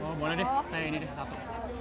oh boleh deh saya ini deh satu